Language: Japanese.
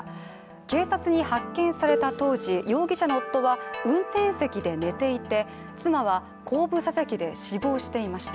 警察に発見された当時、容疑者の夫は運転席で寝ていて、妻は後部座席で死亡していました。